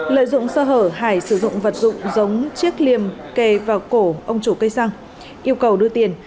lợi dụng sơ hở hải sử dụng vật dụng giống chiếc liềm kề vào cổ ông chủ cây xăng yêu cầu đưa tiền